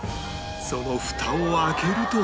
そのフタを開けると